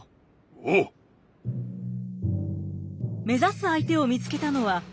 目指す相手を見つけたのは近藤隊。